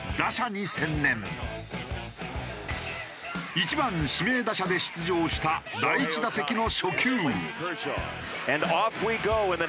１番指名打者で出場した第１打席の初球。